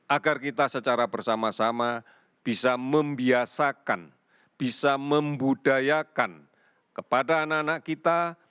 agar kita secara bersama sama bisa membiasakan bisa membudayakan kepada anak anak kita